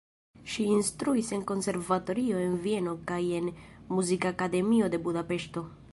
Ŝi instruis en konservatorio en Vieno kaj en Muzikakademio de Budapeŝto.